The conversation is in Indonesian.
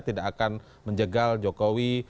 tidak akan menjegal jokowi